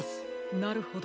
なるほど。